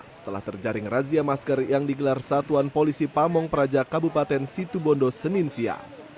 setelah terjaring razia masker yang digelar satuan polisi pamong peraja kabupaten situbondo seninsia